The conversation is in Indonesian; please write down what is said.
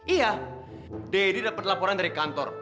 iya daddy dapet laporan dari kantor